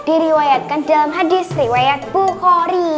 diriwayatkan dalam hadis riwayat bukhori